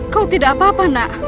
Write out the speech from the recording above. kau tidak apa apa nak